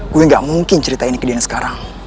gue gak mungkin ceritain ke dian sekarang